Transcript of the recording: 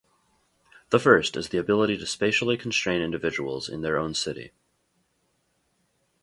The first is the ability to spatially constrain individuals in their own city.